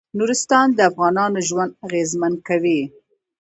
نورستان د افغانانو ژوند اغېزمن کوي.